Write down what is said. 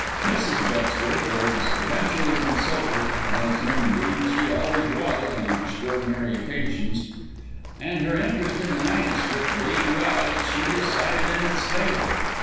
Mrs. Bettesworth was eventually consulted as indeed she always was, on extraordinary occasions and her interest in the MS. being roused, she decided in its favour.